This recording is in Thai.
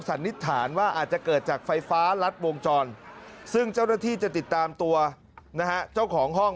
สันนิษฐานว่าอาจจะเกิดจากไฟฟ้ารัดวงจรซึ่งเจ้าหน้าที่จะติดตามตัวนะฮะเจ้าของห้อง